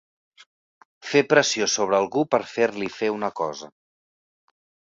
Fer pressió sobre algú per fer-li fer una cosa.